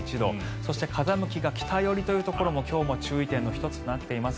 そして、風向きが北向きというところも今日の注意点の１つとなっています。